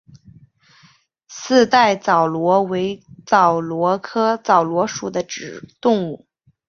四带枣螺为枣螺科枣螺属的动物。